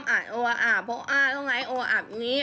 ใช่ห้ามอัดโทรศัพท์พวกอ้าต้องให้โทรศัพท์อยู่นี่